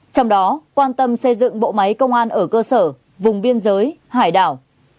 trong đó quan tâm xây dựng bộ máy công an ở cơ sở vùng biên giới hải đảo